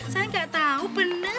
saya nggak tahu benar